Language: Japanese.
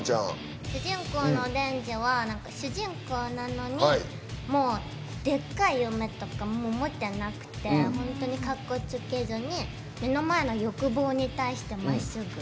主人公のデンジは主人公なのにでっかい夢とか持ってなくて本当にかっこつけずに目の前の欲望に対してまっすぐ。